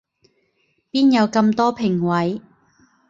邊有咁多評委